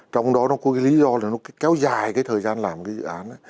trong đó nó có cái lý do là nó kéo dài cái thời gian làm cái dự án